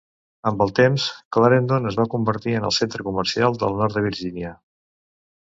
Amb el temps, Clarendon es va convertir en el centre comercial del nord de Virgínia.